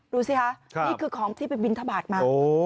ดูสิครับนี่คือของที่เป็นวินทบาทมาก